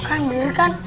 kan beli kan